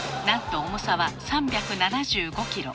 なんと重さは３７５キロ。